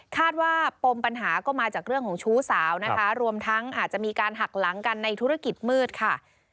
ว่าปมปัญหาก็มาจากเรื่องของชู้สาวนะคะรวมทั้งอาจจะมีการหักหลังกันในธุรกิจมืดค่ะ